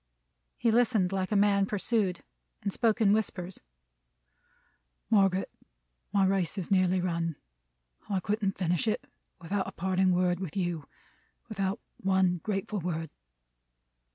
He listened like a man pursued: and spoke in whispers. "Margaret, my race is nearly run, I couldn't finish it, without a parting word with you. Without one grateful word."